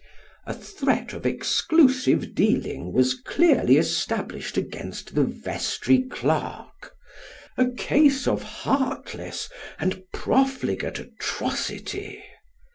A threat of exclusive dealing was clearly established against the vestry clerk a case of heartless and profligate atrocity.